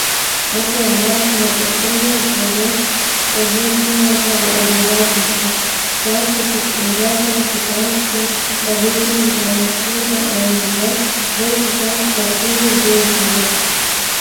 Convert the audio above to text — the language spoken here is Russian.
Это является воплощением тожественного обязательства, взятого китайским правительством, развивать в Китае спортивную деятельность.